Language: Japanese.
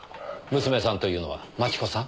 娘さんというのは真智子さん？